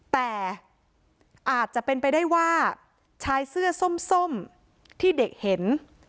แต่อาจจะเป็นไปได้ว่าชายเสื้อส้มที่เด็กเห็น